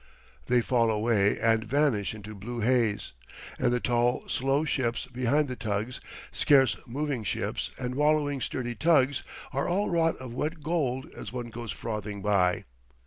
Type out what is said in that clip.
They fall away and vanish into blue haze, and the tall slow ships behind the tugs, scarce moving ships and wallowing sturdy tugs, are all wrought of wet gold as one goes frothing by.